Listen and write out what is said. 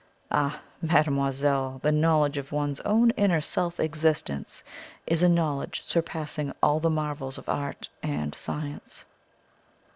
Ah, mademoiselle, the knowledge of one's own inner Self Existence is a knowledge surpassing all the marvels of art and science!"